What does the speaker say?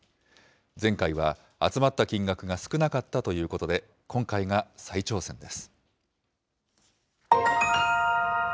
前回は、集まった金額が少なかったということで、今回が再挑戦です。